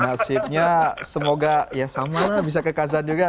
nasibnya semoga ya sama bisa ke kazan juga